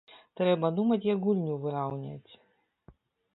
Трэба думаць, як гульню выраўняць.